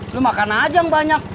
lo makan aja yang banyak